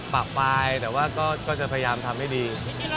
ปากปลายแต่ว่าก็จะพยายามทำให้ดี